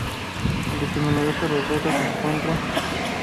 Entre sus numerosos retratos se encuentran.